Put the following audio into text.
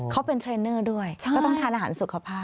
เขาเป็นเทรนเนอร์ด้วยก็ต้องทานอาหารสุขภาพ